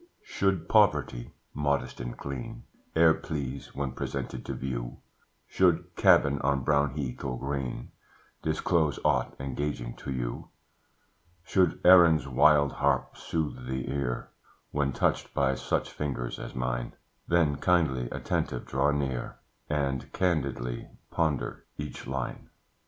Should poverty, modest and clean, E'er please, when presented to view, Should cabin on brown heath, or green, Disclose aught engaging to you, Should Erin's wild harp soothe the ear When touched by such fingers as mine, Then kindly attentive draw near, And candidly ponder each line.